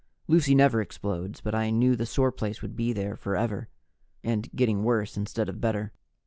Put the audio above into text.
Lucy never explodes, but I knew the sore place would be there forever, and getting worse instead of better.